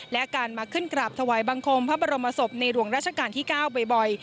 และการมาขึ้นกราบถวายบังคมพระบรมศพในหลวงราชการที่๙บ่อย